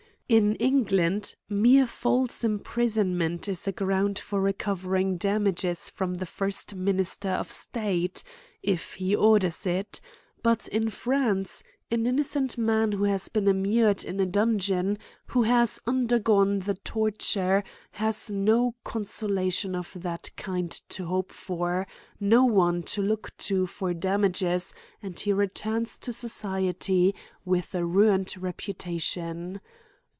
In England, mere false imprisonment, is a ground for recover ing damages from the first minister of state, if he orders it ; but, in France, an innocent man who has been immured in a dungeon, who has under gone the torture, has no consolation of that kind to hope for, no one to look to for damages ; and he returns to society with a ruined reputation..